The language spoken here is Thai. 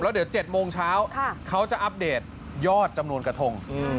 เดี๋ยว๗โมงเช้าเขาจะอัปเดตยอดจำนวนกระทง